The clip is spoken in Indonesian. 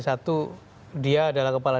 satu dia adalah kepala